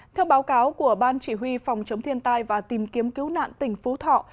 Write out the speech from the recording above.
theo báo cáo của ban chỉ huy phòng chống thiên tai và tìm kiếm cứu nạn tỉnh phú thọ